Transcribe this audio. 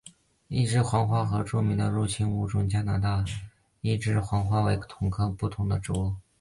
一枝黄花和著名的入侵物种加拿大一枝黄花为同科不同种植物。